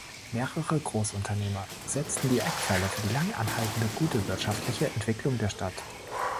Mehrere Großunternehmer setzten die Eckpfeiler für die lang anhaltende gute wirtschaftliche Entwicklung der Stadt.